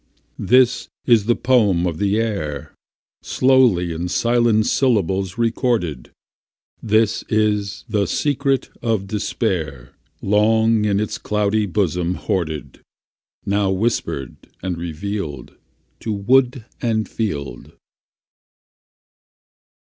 This is the poem of the air, Slowly in silent syllables recorded; This is the secret of despair, Long in its cloudy bosom hoarded, Now whispered and revealed To wood and field.